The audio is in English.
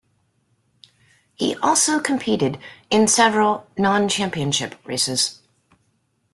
He also competed in several non-Championship races.